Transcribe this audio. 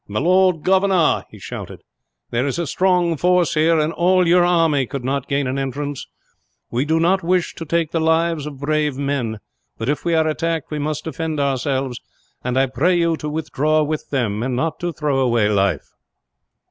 "My Lord Governor," he shouted, "there is a strong force here, and all your army could not gain an entrance. We do not wish to take the lives of brave men; but if we are attacked we must defend ourselves, and I pray you to withdraw with them, and not to throw away life."